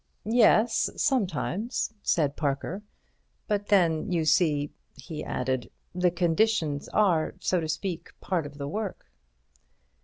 "Yes, sometimes," said Parker; "but then you see," he added, "the conditions are, so to speak, part of the work."